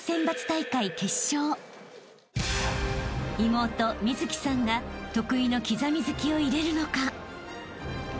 ［妹美月さんが得意の刻み突きを入れるのか］